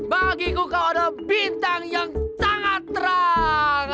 bagiku kau adalah bintang yang sangat terang